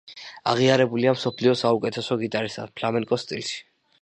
აღიარებულია მსოფლიოს საუკეთესო გიტარისტად ფლამენკოს სტილში.